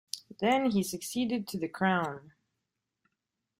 Then he succeeded to the crown.